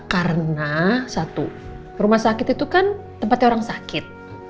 karena satu rumah sakit itu kan tempatnya orang sakit